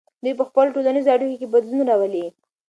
دوی په خپلو ټولنیزو اړیکو کې بدلون راولي.